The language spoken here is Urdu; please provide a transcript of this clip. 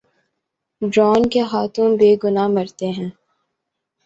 ڈرون کے ہاتھوں بے گناہ مرتے ہیں۔